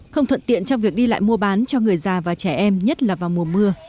không thuận tiện trong việc đi lại mua bán cho người già và trẻ em nhất là vào mùa mưa